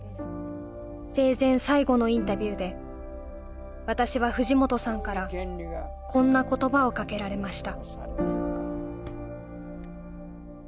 生前最後のインタビューで私は藤本さんからこんな言葉をかけられました